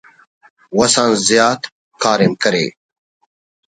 وس آن زیات کاریم کرے